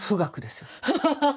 ハハハハハ！